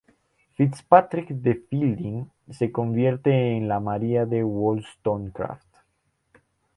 Fitzpatrick de Fielding se convierte en la María de Wollstonecraft.